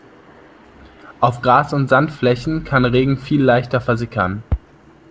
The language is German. Auf Gras- und Sandflächen kann Regen viel leichter versickern.